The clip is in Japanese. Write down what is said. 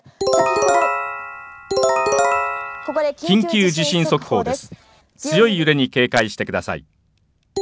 再び緊急地震速報です。